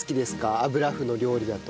油麩の料理だと。